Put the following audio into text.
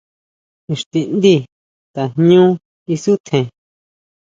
Ixtindi tajñu isutjen.